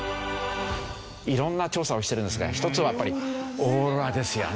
色んな調査をしてるんですが１つはやっぱりオーロラですよね。